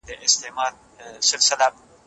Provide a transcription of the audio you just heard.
ايا د زندانونو شتون د ټولنې لپاره ضروري دی؟